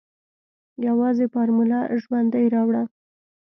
يوازې فارموله ژوندۍ راوړه.